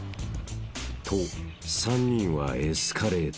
［と３人はエスカレーターへ］